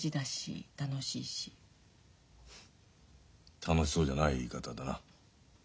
楽しそうじゃない言い方だな。